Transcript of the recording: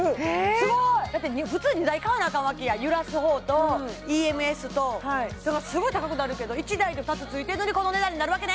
すごい！だって普通２台買わなアカンわけやん揺らす方とＥＭＳとだからすごい高くなるけど１台で２つついてるのにこの値段になるわけね！